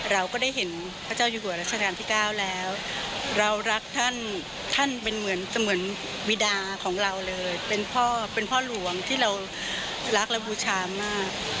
เรารักท่านท่านเป็นเหมือนจะเหมือนวิดาของเราเลยเป็นพ่อเป็นพ่อหลวงที่เรารักและบูชามาก